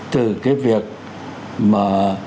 từ cái việc mà